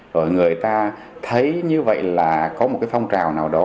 rồi người ta thấy như vậy là có một cái phong trào nào đó